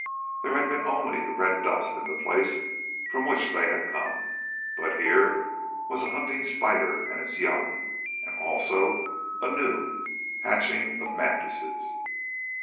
There had been only the red dust in the place from which they had come, but here was a hunting spider and its young and also a new hatching of mantises!